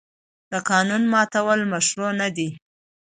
د قانون ماتول مشروع نه دي.